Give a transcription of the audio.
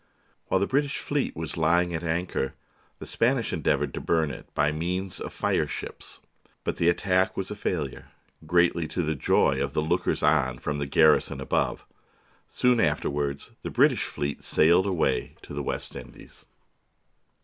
While the British fleet was lying at anchor, the Spanish endeavoured to burn it by means of fire ships; but the attack was a failure, greatly to the joy of the lookers on from the garrison above. Soon afterward the British fleet sailed away to the West Indies.